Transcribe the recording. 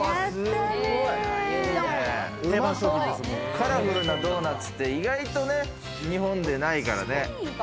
カラフルなドーナツって意外と日本でないからね。